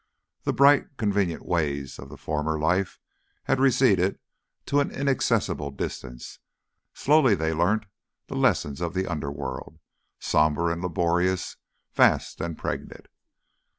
The bright, convenient ways of the former life had receded to an inaccessible distance; slowly they learnt the lesson of the underworld sombre and laborious, vast and pregnant.